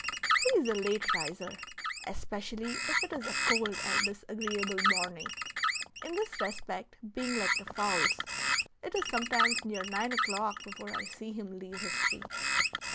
He is a late riser, especially if it is a cold or disagreeable morning, in this respect being like the fowls; it is sometimes near nine o'clock before I see him leave his tree.